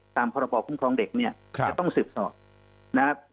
ตามพรบคุ้มครองเด็กจะต้องสืบสอร์